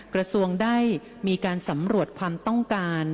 กระทรวงได้มีการสำรวจความต้องการ